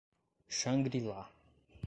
Xangri-lá